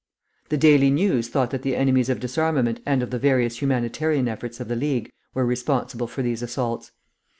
The Daily News thought that the enemies of disarmament and of the various humanitarian efforts of the League were responsible for these assaults.